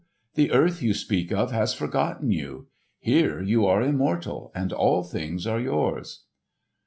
The earth you speak of has forgotten you. Here you are immortal and all things are yours."